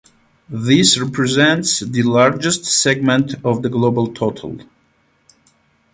This represents the largest segment of the global total.